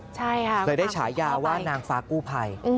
ใช่ค่ะเลยได้ฉายาว่านางฟ้ากู้ภัย